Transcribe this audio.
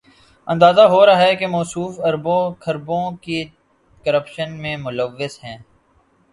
اندازہ ہو رہا ہے کہ موصوف اربوں، کھربوں کی کرپشن میں ملوث ہیں۔